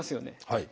はい。